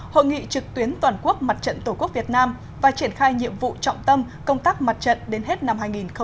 hội nghị trực tuyến toàn quốc mặt trận tổ quốc việt nam và triển khai nhiệm vụ trọng tâm công tác mặt trận đến hết năm hai nghìn hai mươi